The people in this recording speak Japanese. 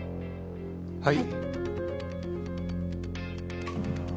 はい。